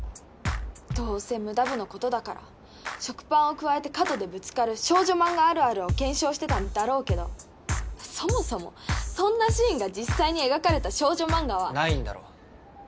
どうせムダ部のことだから食パンをくわえて角でぶつかる少女漫画あるあるを検証してたんだろうけどそもそもそんなシーンが実際に描かれた少女漫画はないんだろ？